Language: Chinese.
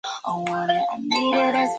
首府斯法克斯。